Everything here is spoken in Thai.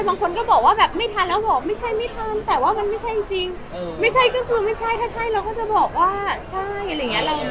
บางคนก็บอกว่าแบบไม่ทันแล้วบอกไม่ใช่ไม่ทันแต่ว่ามันไม่ใช่จริงไม่ใช่ก็คือไม่ใช่ถ้าใช่เราก็จะบอกว่าใช่อะไรอย่างนี้